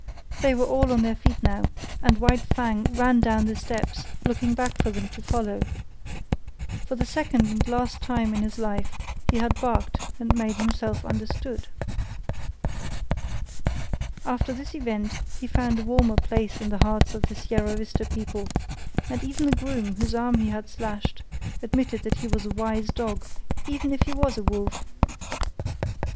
They were all on their feet now, and White Fang ran down the steps, looking back for them to follow. For the second and last time in his life he had barked and made himself understood. After this event he found a warmer place in the hearts of the Sierra Vista people, and even the groom whose arm he had slashed admitted that he was a wise dog even if he was a wolf.